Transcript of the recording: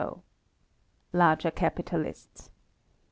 Larger Capitalists.